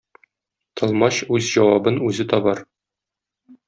Тылмач үз җавабын үзе табар.